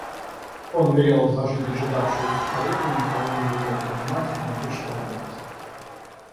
Он велел отложить дожидавшуюся карету, никого не велел принимать и не вышел обедать.